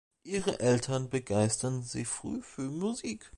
Ihre Eltern begeisterten sie früh für Musik.